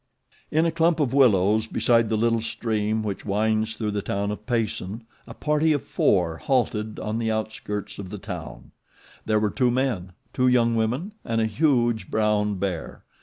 In a clump of willows beside the little stream which winds through the town of Payson a party of four halted on the outskirts of the town. There were two men, two young women and a huge brown bear.